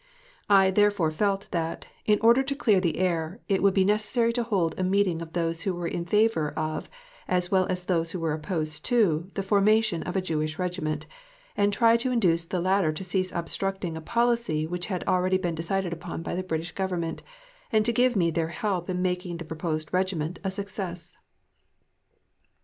I therefore felt that, in order to clear the air, it would be necessary to hold a meeting of those who were in favour of, as well as those who were opposed to, the formation of a Jewish Regiment, and try to induce the latter to cease obstructing a policy which had already been decided upon by the British Government, and to give me their help in making the proposed Regiment a success.